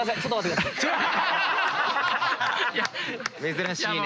珍しいね。